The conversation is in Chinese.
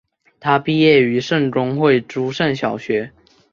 他毕业于圣公会诸圣小学。